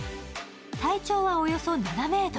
体長はおよそ７ｍ。